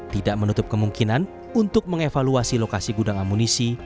tidak menutup kemungkinan untuk mengevaluasi lokasi gudang amunisi